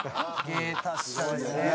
芸達者ですね。